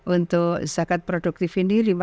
untuk zakat produktif ini lima ratus ribu